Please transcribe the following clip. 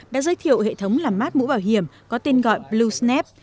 đã giới thiệu hệ thống làm mát mũ bảo hiểm có tên gọi blue snap